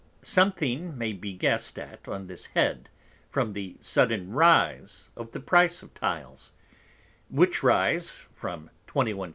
Something may be guest at on this Head, from the sudden Rise of the Price of Tiles; which rise from 21 _s.